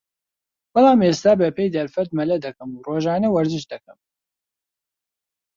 بەڵام ئێستا بە پێی دەرفەت مەلە دەکەم و رۆژانە وەرزش دەکەم